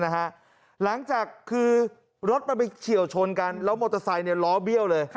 หลังจากคือรถมันไปเฉียวชนกันแล้วมอเตอร์ไซค์ล้อเบี้ยวเลย